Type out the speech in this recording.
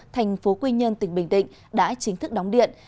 thành phố quy nhơn tỉnh bình định đã chính thức đóng điện